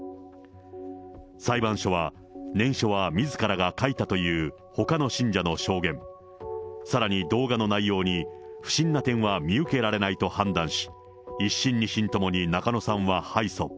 裁判所は、念書はみずからが書いたというほかの信者の証言、さらに動画の内容に、不審な点は見受けられないと判断し、１審、２審ともに中野さんは敗訴。